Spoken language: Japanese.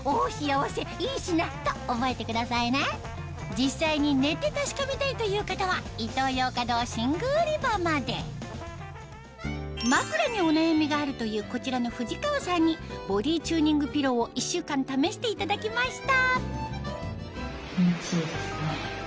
実際に寝て確かめたいという方は枕にお悩みがあるというこちらの藤川さんにボディチューニングピローを１週間試していただきました